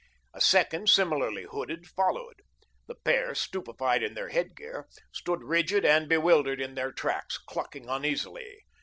A second, similarly hooded, followed. The pair, stupefied in their headgear, stood rigid and bewildered in their tracks, clucking uneasily.